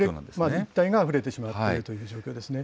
ええ、一帯があふれてしまっているという状況ですね。